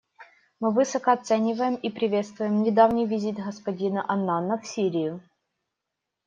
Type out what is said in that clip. Мы высоко оцениваем и приветствуем недавний визит господина Аннана в Сирию.